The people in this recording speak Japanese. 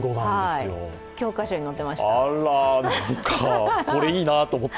教科書に載ってました。